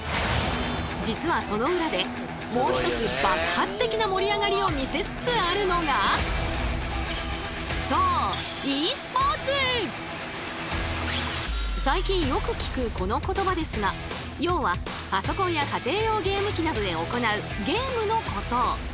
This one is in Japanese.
実はその裏でもう一つ爆発的な盛り上がりを見せつつあるのがそう最近よく聞くこの言葉ですが要はパソコンや家庭用ゲーム機などで行うゲームのこと。